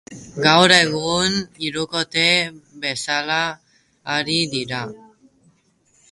Gaur egun hirukote bezala ari dira.